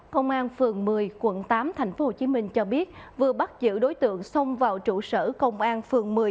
công an phường một mươi quận tám tp hcm cho biết vừa bắt giữ đối tượng xông vào trụ sở công an phường một mươi